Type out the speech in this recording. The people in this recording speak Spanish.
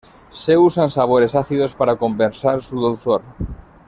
Se usan sabores ácidos para compensar su dulzor.